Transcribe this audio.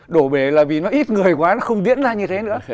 đổ bể là vì nó ít người quá nó không diễn ra như thế nữa